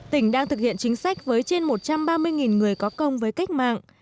tỉnh đang thực hiện chính sách với trên một trăm ba mươi người có công với cách mạng